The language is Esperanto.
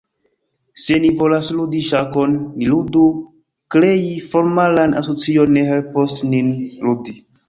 Se ni volas ludi ŝakon, ni ludu, krei formalan asocion ne helpos nin ludi.